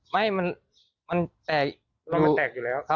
ไม่มันแตกอยู่แล้ว